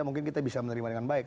mungkin kita bisa menerima dengan baik